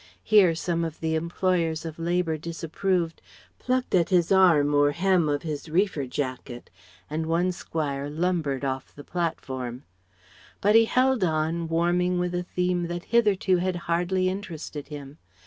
(Here some of the employers of labour disapproved, plucked at his arm or hem of his reefer jacket, and one squire lumbered off the platform.) But he held on, warming with a theme that hitherto had hardly interested him.